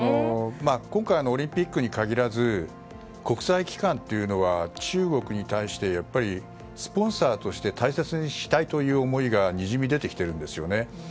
今回、オリンピックに限らず国際機関というのは中国に対してスポンサーとして大切にしたいという思いがにじみ出てきているんですよね。